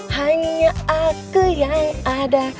hanya aku yang ada